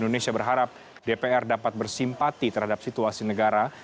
indonesia berharap dpr dapat bersimpati terhadap situasi negara